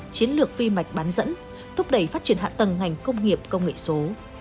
chiến lược phi mạch bán dẫn thúc đẩy phát triển hạ tầng ngành công nghiệp công nghệ số